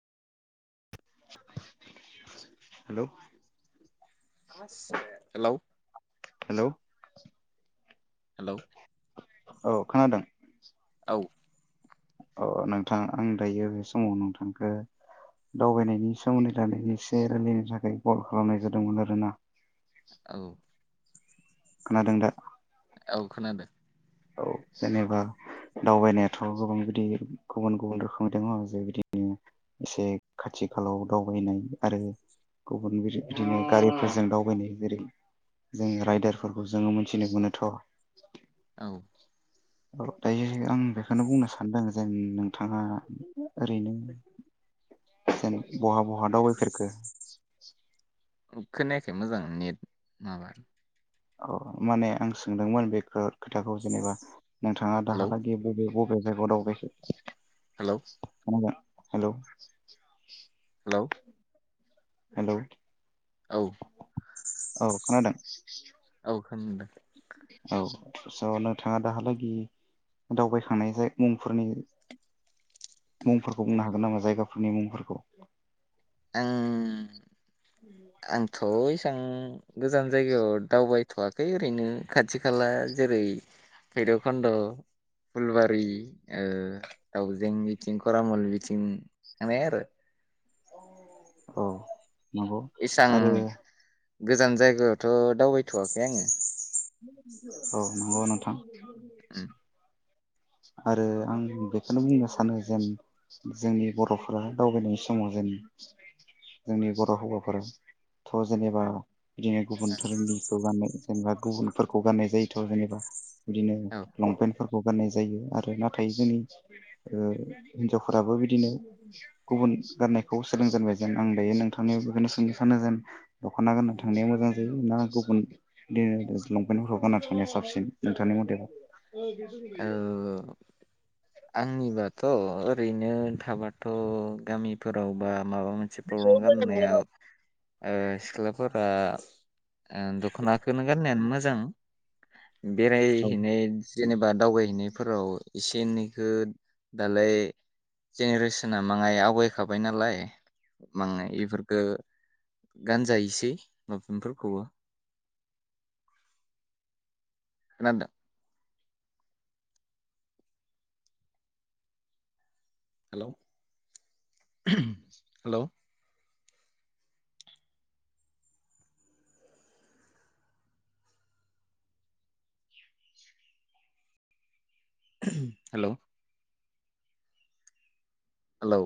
hello hello hello hello औ खोनादों औ अ नोंथां आं दायो बे समाव नोंथांखौ दावबायनायनि सोमोन्दै थाखाय एसे रायलायनो थाखाय कल खालामनाय जादोंमोन आरोना औ खोनादों दा औ खोनादों औ जेनेबा दावबायनायाथ' गोबां बिदि गुबुन गुबुन रोखोमै दङ जे बिदिनो एसे खाथि खालाव दावबायनाय आरो गुबुन बिदिनो गारिफोरजों दाव बायनाय जेरै जों राइदारफोरखौ जोङो मिनथिनो मोनोथ' औ औ दायो आं बेखौनो बुंनो सानदों जों नों थाङा ओरैनो जेन बहा बहा दावबायफेरखो खोनायाखै मोजां नेट माबा औ माने आं सोंदोंमोन बेखो खोथाखौ जेनेबा नोंथाङा हेलौ दाहालागै बबे बबे जायगायाव दावबायखो हेलौ खोनाबाय हेलौ हेलौ हेलौ औ औ खोनादों [inaudible] औ खोनादों औ स' नोंथाङा दाहालागि दावबायखांनाय मुंफोरनि मुंफोरखौ बुंनो हागोन नामा जायगाफोरनि मुंफोरखौ ओं आंथ' एसां गोजान जायगायाव दावबायथ'वाखै ओरैनो खाथि खाला जेरै भैरब खन्द' फुलबारि ओ दावजें बिथिं खरामल बिथिं थांबाय आरो औ नंगौ एसां आरो गोजान जायगायावथ' दावबायथ'वाखै आङो औ नंगौ नोंथां उम [inaudible] आरो आं बेखौनो बुंनो सानो जेन जोंनि बर'फोरा दावबायनाय समाव जेन जोंनि बर' हौवाफोरा थ' जेनेबा बिदिनो गुबुन धोरोमनिखौ गानो जेनेबा गुबुनफोरखौ गाननाय जायोथ' जेनेबा बिदिनो औ लंपेन्ट फोर गाननाय जायो आरो नाथाय जोंनि ओ हिनजावफोराबो बिदिनो गुबुन गाननायखौ सोलोंजेनबाय जेन आं दायो नोंथांनि बेखौनो सोंनो सानो जेन दख'ना गानना थांनाया मोजां जायो ना गुबुन बिदिनो ओ लंपेन्टफोरखौ गाना थांनाया साबसिन नोंथांनि मथेबा औ आंनि बाथ थ' ओरैनो थाबाथ' गामिफोरावबा माबा मोनसे प्रब्लम गाननायाव ओ सिख्लाफोर बा दख'नाखौनो गाननायानो मोजां औ बेरायहैनाय जेनेबा दावबायायहैनायफोराव एसे एनैखो दालाय जेनेरेसना माङाय आवगायखाबाय नालाय माय बेफोरखौ गानजायोसै लंपेनफोरखौबो खोनादों हेलौ हेलौ हेलौ हेलौ